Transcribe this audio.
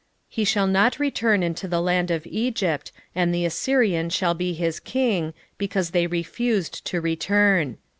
11:5 He shall not return into the land of Egypt, and the Assyrian shall be his king, because they refused to return.